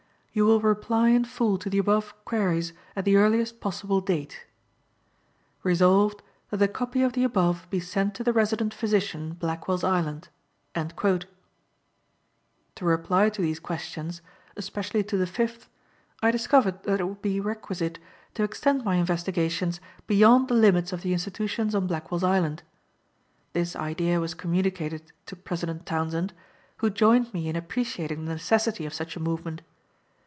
You will reply in full to the above queries at the earliest possible date. "Resolved, That a copy of the above be sent to the Resident Physician, Blackwell's Island." To reply to these questions, especially to the fifth, I discovered that it would be requisite to extend my investigations beyond the limits of the institutions on Blackwell's Island. This idea was communicated to President Townsend, who joined me in appreciating the necessity of such a movement.